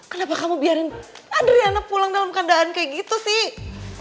kenapa kamu biarin aduh riana pulang dalam keadaan kayak gitu sih